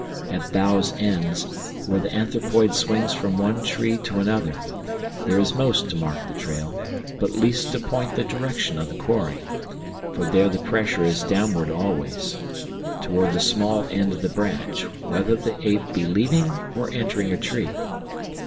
At boughs' ends, where the anthropoid swings from one tree to another, there is most to mark the trail, but least to point the direction of the quarry; for there the pressure is downward always, toward the small end of the branch, whether the ape be leaving or entering a tree.